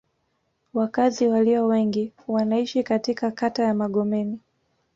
Wakazi walio wengi wanaishi katika kata ya Magomeni